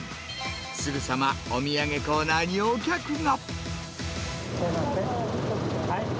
すぐさまお土産コーナーにお客が。